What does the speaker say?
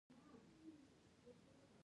آب وهوا د افغانستان د ښاري پراختیا سبب کېږي.